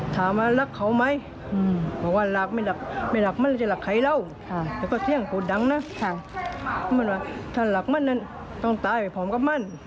ถ้าหลักมั่นนั้นต้องตายไปพร้อมกับมั่น